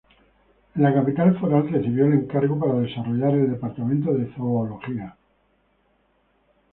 En la capital foral, recibió el encargo para desarrollar el Departamento de Zoología.